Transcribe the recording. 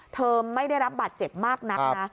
เธอไม่ได้รับบัตรเจ็บมากนักนะ